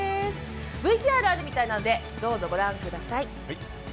ＶＴＲあるみたいなのでどうぞご覧ください。